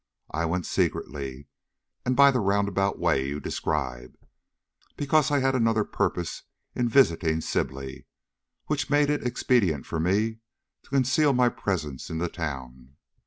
I went secretly, and by the roundabout way you describe, because I had another purpose in visiting Sibley, which made it expedient for me to conceal my presence in the town.